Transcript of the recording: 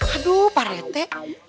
aduh pak rete